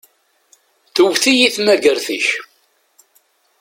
Tewwet-iyi tmagart-ik.